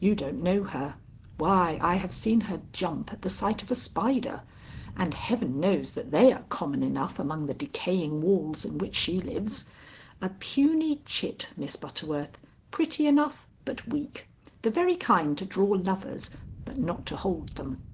"You don't know her. Why, I have seen her jump at the sight of a spider, and heaven knows that they are common enough among the decaying walls in which she lives. A puny chit, Miss Butterworth; pretty enough, but weak. The very kind to draw lovers, but not to hold them.